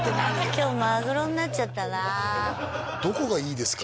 今日マグロになっちゃったなどこがいいですか？